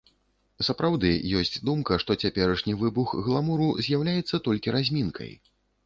Сапраўды, ёсць думка, што цяперашні выбух гламуру з'яўляецца толькі размінкай.